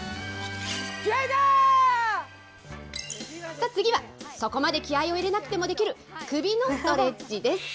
さあ次は、そこまで気合いを入れなくてもできる、首のストレッチです。